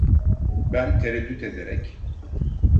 Ben tereddüt ederek: